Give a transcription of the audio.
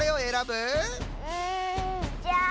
うんじゃあ。